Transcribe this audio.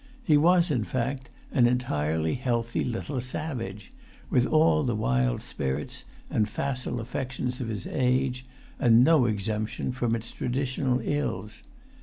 He was, in fact, an entirely healthy little savage, with all the wild spirits and facile affections of his age, and no exemption from its traditional ills.